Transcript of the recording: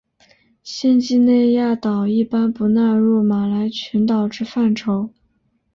新几内亚岛一般不纳入马来群岛之范畴。